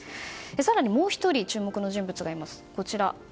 更にもう１人、注目人物がこちら。